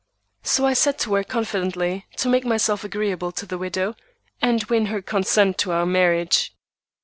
So I set to work confidently to make myself agreeable to the widow and win her consent to our marriage.